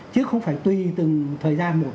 chứ không phải tùy từng thời gian một